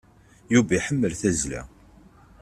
Yuba iḥemmel tazla.